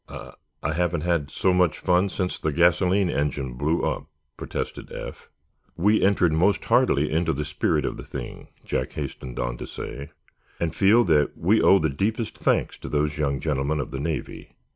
"I—I haven't had so much fun since the gasoline engine blew up," protested Eph. "We entered most heartily into the spirit of the thing," Jack hastened on to say, "and feel that we owe the deepest thanks to these young gentlemen of the Navy.